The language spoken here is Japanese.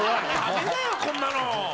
こんなの。